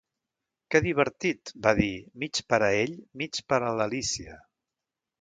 "Què divertit!" va dir, mig per a ell, mig per a l'Alícia.